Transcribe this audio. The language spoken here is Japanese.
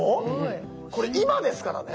これ今ですからね。